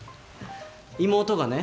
妹がね